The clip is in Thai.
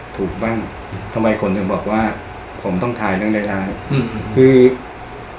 ถูกบ้างทำไมคนถึงบอกว่าผมต้องถ่ายเรื่องร้ายอืมคือ